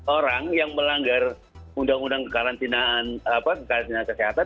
orang yang melanggar undang undang karantina kesehatan